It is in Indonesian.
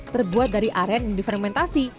terbuat dari aren yang difermentasi